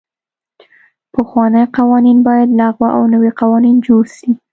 پخواني قوانین باید لغوه او نوي قوانین جوړ سي.